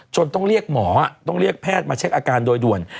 ต้องเรียกหมอต้องเรียกแพทย์มาเช็คอาการโดยด่วน